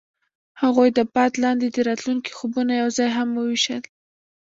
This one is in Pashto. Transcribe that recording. هغوی د باد لاندې د راتلونکي خوبونه یوځای هم وویشل.